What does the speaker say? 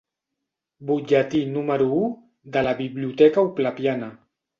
Butlletí número u de la «Biblioteca Oplepiana».